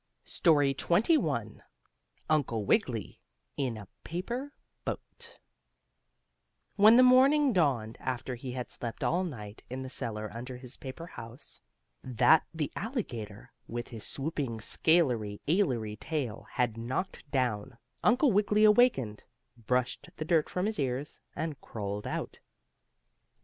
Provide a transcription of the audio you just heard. STORY XXI UNCLE WIGGILY IN A PAPER BOAT When the morning dawned, after he had slept all night in the cellar under his paper house, that the alligator, with his swooping scalery ailery tail, had knocked down, Uncle Wiggily awakened, brushed the dirt from his ears, and crawled out.